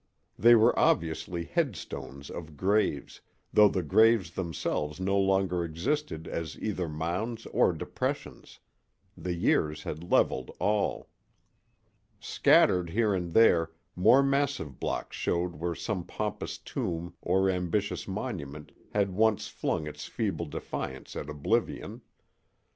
They were obviously headstones of graves, though the graves themselves no longer existed as either mounds or depressions; the years had leveled all. Scattered here and there, more massive blocks showed where some pompous tomb or ambitious monument had once flung its feeble defiance at oblivion.